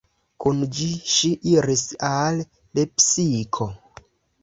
Kun ĝi ŝi iris al Lepsiko.